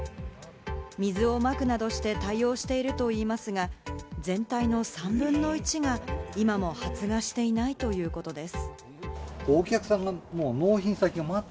水をまくなどして対応しているといいますが、全体の３分の１が今も発芽していないということです。